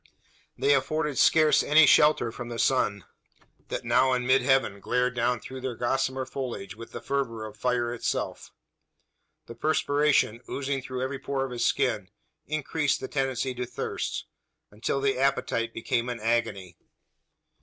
They afforded scarce any shelter from the sun, that now in mid heaven glared down through their gossamer foliage with the fervour of fire itself. The perspiration, oozing through every pore of his skin, increased the tendency to thirst until the appetite became an agony!